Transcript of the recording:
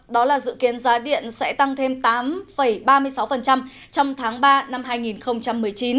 đó là dự kiến giá điện sẽ tăng thêm tám ba mươi sáu trong tháng ba năm hai nghìn một mươi chín